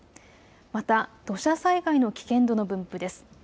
また土砂災害の危険度の分布です。